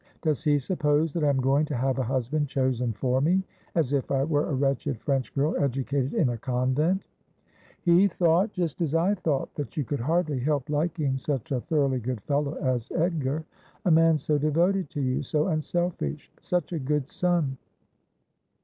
Does he suppose that I am going to have a husband chosen for me — as if I were a wretched French girl educated in a convent ?' 172 Asjjhodel. ' He thought — just as I thought— that you could hardly help liking such a thoroughly good fellow as Edgar ; a man so de voted to you ; so unselfish ; such a good son.'